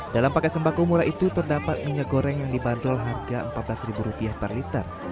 dalam paket sembako murah itu terdapat minyak goreng yang dibanderol harga rp empat belas per liter